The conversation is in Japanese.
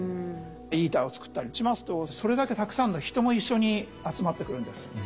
ＩＴＥＲを作ったりしますとそれだけたくさんの人も一緒に集まってくるんです。